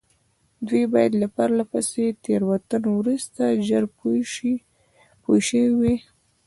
دوی باید له پرله پسې تېروتنو وروسته ژر پوه شوي وای.